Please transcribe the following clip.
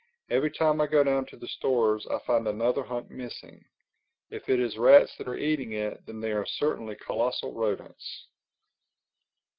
Every time I go down to the stores I find another hunk missing. If it is rats that are eating it, then they are certainly colossal rodents."